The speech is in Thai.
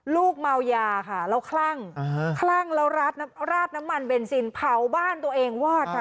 ลูกเมายาค่ะแล้วคลั่งคลั่งแล้วราดน้ำมันเบนซินเผาบ้านตัวเองวอดค่ะ